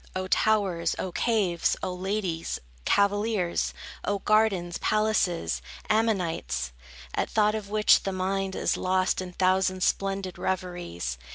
O towers, O caves, O ladies, cavaliers, O gardens, palaces! Amenites, At thought of which, the mind Is lost in thousand splendid reveries!